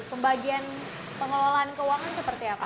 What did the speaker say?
pembagian pengelolaan keuangan seperti apa